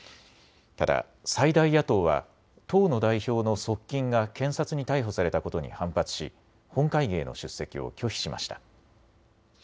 ただ最大野党は党の代表の側近が検察に逮捕されたことに反発し本会議への出席を拒否しました。